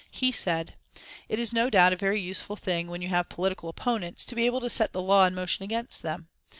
He said: "It is no doubt a very useful thing when you have political opponents to be able to set the law in motion against them.